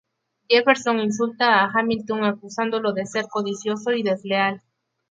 Jefferson insulta a Hamilton, acusándolo de ser codicioso y desleal.